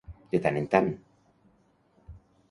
De tant en tant.